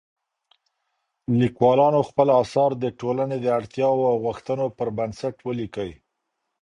ليکوالانو خپل اثار د ټولني د اړتياوو او غوښتنو پر بنسټ وليکئ.